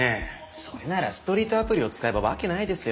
それならストリートアプリを使えばわけないですよ。